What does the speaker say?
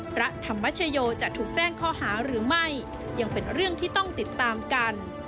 พระธรรมชโยจะถูกแจ้งข้อหาหรือไม่ยังเป็นเรื่องที่ต้องติดตามกัน